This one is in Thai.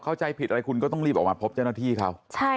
เข้าใจผิดอะไรคุณก็ต้องรีบออกมาพบเจ้าหน้าที่เขา